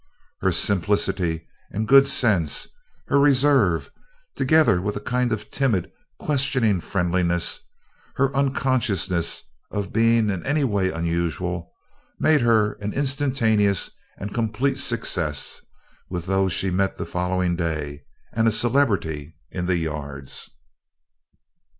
Her simplicity and good sense, her reserve, together with a kind of timid, questioning friendliness, her unconsciousness of being in any way unusual, made her an instantaneous and complete success with those she met the following day, and a celebrity in the yards.